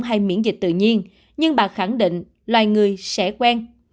hay miễn dịch tự nhiên nhưng bà khẳng định loài người sẽ quen